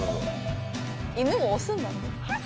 犬も押すんだね。